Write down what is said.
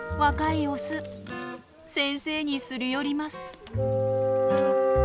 先生にすり寄ります。